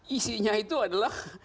isinya itu adalah